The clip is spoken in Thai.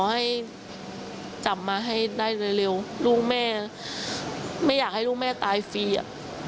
ให้จับมาให้ได้เร็วลูกแม่ไม่อยากให้ลูกแม่ตายฟรีอ่ะ